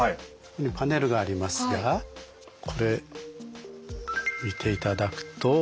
パネルがありますがこれ見ていただくと。